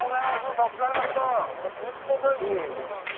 助かりました。